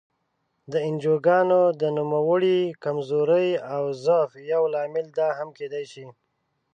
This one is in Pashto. د انجوګانو د نوموړې کمزورۍ او ضعف یو لامل دا هم کېدای شي.